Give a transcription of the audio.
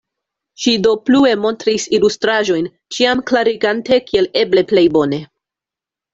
Ŝi do plue montris ilustraĵojn, ĉiam klarigante kiel eble plej bone.